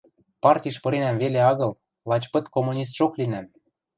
– Партиш пыренӓм веле агыл, лач пыт коммунистшок линӓм.